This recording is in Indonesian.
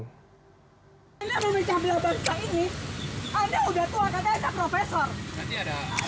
ketika memecah belah bangsa ini anda sudah tua kata kata saya profesor